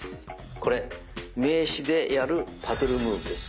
これ名刺でやるパドル・ムーブです。